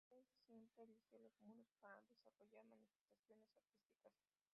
El hombre siempre eligió los muros para desarrollar manifestaciones artísticas.